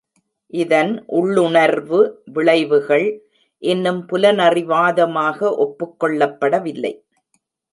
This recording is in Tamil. இதன் உள்ளுணர்வு விளைவுகள் இன்னும் புலனறிவாதமாக ஒப்புக்கொள்ளப்படவில்லை.